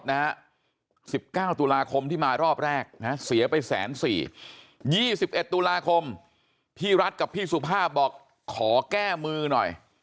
๑๙ตุลาคมที่มารอบแรกนะเสียไปแสนสี่๒๑ตุลาคมพี่รัฐกับพี่สุภาพบอกขอแก้มือหน่อย